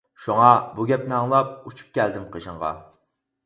شۇڭا بۇ گەپنى ئاڭلاپ، ئۇچۇپ كەلدىم قېشىڭغا.